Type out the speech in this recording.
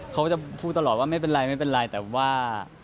เขาจะพูดตลอดว่าไม่เป็นไรแต่ว่า